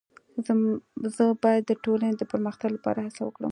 زه باید د ټولني د پرمختګ لپاره هڅه وکړم.